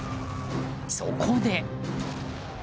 そこで。